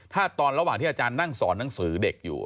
ถ้าตอนระหว่างที่อาจารย์นั่งสอนหนังสือเด็กอยู่